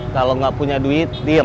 kalau gak punya duit diem